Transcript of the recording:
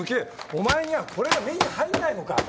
お前にはこれが目に入んないのか。